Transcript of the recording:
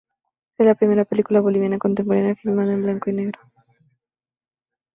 Es la primera película boliviana contemporánea filmada en blanco y negro.